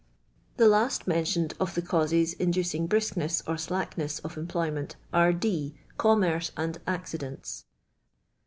The last mentioned of the onuses inducing briskness or slackness of employment nre — D. Commerce and Accidents.